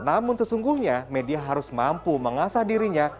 namun sesungguhnya media harus mampu mengasah dirinya